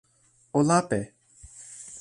o lape!